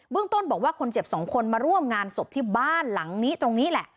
ต้นบอกว่าคนเจ็บสองคนมาร่วมงานศพที่บ้านหลังนี้ตรงนี้แหละ